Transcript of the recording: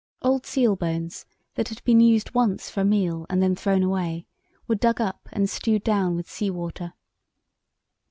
Old seal bones, that had been used once for a meal and then thrown away, were dug up and stewed down with sea water.